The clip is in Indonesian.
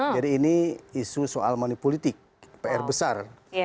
jadi ini isu soal money politik pr besar